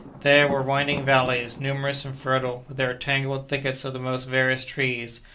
There were winding valleys, numerous and fertile, with their tangled thickets of the most various trees.